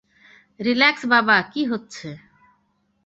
Relax - বাবা, কি হচ্ছে?